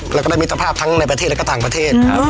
แล้วก็ได้มิตรภาพทั้งในประเทศและก็ต่างประเทศ